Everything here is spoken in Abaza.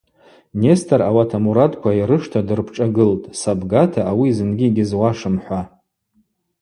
Нестор ауат амурадква айрышта дырпшӏагылтӏ: Сабгата ауи зынгьи йгьызуашым, – хӏва.